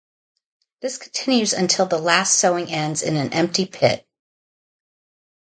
This continues until the last sowing ends in an empty pit.